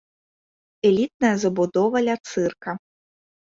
Элітная забудова ля цырка.